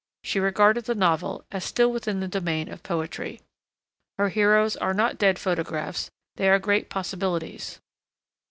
She regarded the novel as still within the domain of poetry. Her heroes are not dead photographs; they are great possibilities.